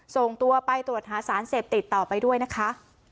ส่งตัวไปตรวจหาสารเสพติดต่อไปด้วยนะคะ